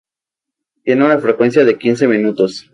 Tiene una frecuencia de quince minutos.